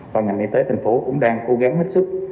và ngành y tế thành phố cũng đang cố gắng hết sức